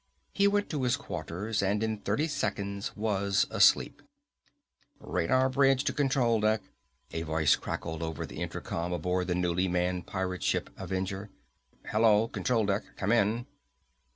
He went to his quarters and in thirty seconds was asleep. "Radar bridge to control deck!" A voice crackled over the intercom aboard the newly named pirate ship, Avenger. "Hullo, control deck! Come in!"